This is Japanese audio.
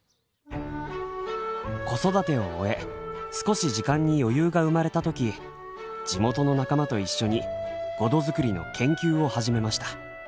子育てを終え少し時間に余裕が生まれた時地元の仲間と一緒にごど作りの研究を始めました。